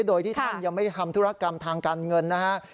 โดยที่ท่านยังไม่ได้ทำธุรกรรมทางการเงินนะฮะ